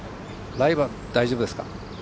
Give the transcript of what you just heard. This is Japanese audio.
ライは大丈夫ですか？